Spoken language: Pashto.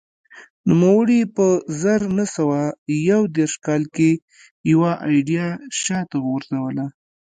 نوموړي په زر نه سوه یو دېرش کال کې یوه ایډیا شا ته وغورځوله